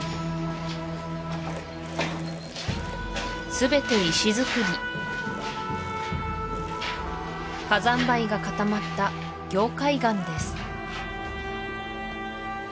すべて石造り火山灰が固まった凝灰岩です